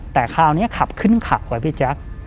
แต่คราวนี้ขับขึ้นขับไว้พี่แจ๊ค